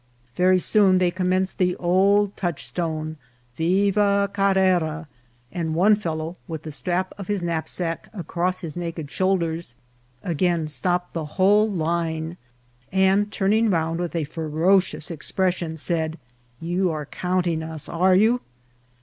Very soon they commenced the old touchstone, " Viva Carrera !" and one fellow, with the strap of his knapsack across his naked shoulders, again stopped the whole line, and turning round with a fero cious expression, said, " You are counting us, are you?"